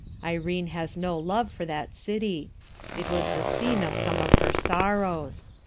Irene has no love for that city ; it was the scene of some of her sorrows.